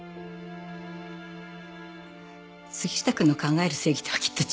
杉下くんの考える正義とはきっと違うわね。